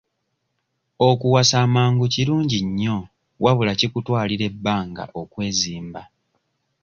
Okuwasa amangu kirungi nnyo wabula kikutwalira ebbanga okwezimba.